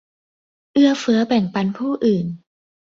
เอื้อเฟื้อแบ่งปันผู้อื่น